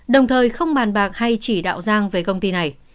đồng thời không bàn bạc hay chỉ đạo giang về công ty này